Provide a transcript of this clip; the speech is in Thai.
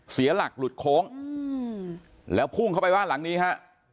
เสียหลักหลุดโค้งแล้วพุ่งเข้าไปบ้านหลังนี้ฮะ